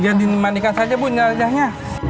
biar dimandikan saja bu ini wajahnya